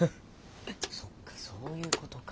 そっかそういう事か。